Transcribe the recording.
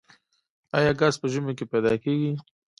آیا ګاز په ژمي کې پیدا کیږي؟